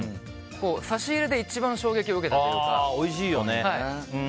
差し入れで一番衝撃を受けたというか。